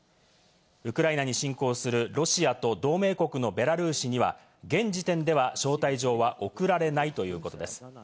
ウクライナに侵攻するロシアと同盟国のベラルーシには、現時点では招待状は送られないということです。